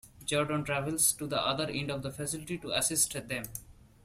Gordon travels to the other end of the facility to assist them.